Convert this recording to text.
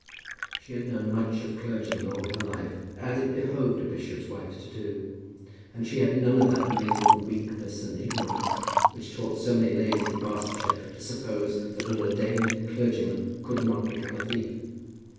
She had known much of clergymen all her life, as it behoved a bishop's wife to do, and she had none of that mingled weakness and ignorance which taught so many ladies in Barsetshire to suppose that an ordained clergyman could not become a thief.